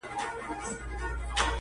كه به زما په دعا كيږي!